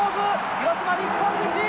広島日本一！